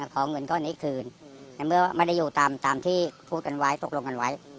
ขอเงินก้อนนี้คืนในเมื่อไม่ได้อยู่ตามที่พูดกันไว้ตกลงกันไว้